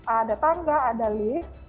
ada tangga ada lift